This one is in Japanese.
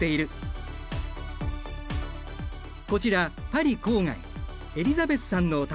こちらパリ郊外エリザベスさんのお宅。